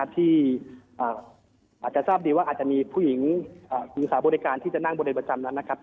ที่อาจจะทราบดีว่าอาจจะมีผู้หญิงหญิงสาวบริการที่จะนั่งบริเวณประจำนั้นนะครับ